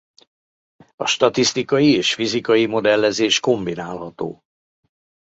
A statisztikai és fizikai modellezés kombinálható.